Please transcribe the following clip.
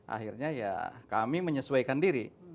akhirnya ya kami menyesuaikan diri